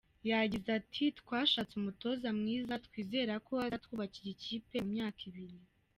Yagize ati ”Twashatse umutoza mwiza twizera ko azatwubakira ikipe mu myaka ibiri.